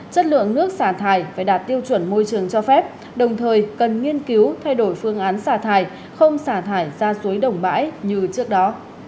chất lượng nước xả thải phải đạt tiêu chuẩn môi trường cho phép đồng thời cần nghiên cứu thay đổi phương án xả thải không xả thải ra suối đồng bãi như trước đó